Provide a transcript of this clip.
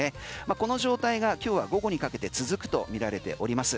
この状態が今日は午後にかけて続くとみられております。